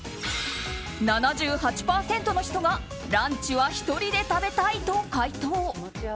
７８％の人がランチは１人で食べたいと回答。